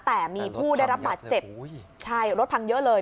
แต่มีผู้ได้รับบาดเจ็บใช่รถพังเยอะเลย